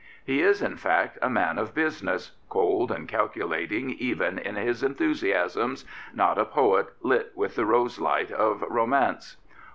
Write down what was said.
He is, in fact, a man of business, cold and calculating even in his enthusiasms, not a poet lit with the rose light of romance.